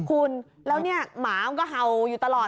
คุณแล้วเนี่ยหมามันก็เห่าอยู่ตลอด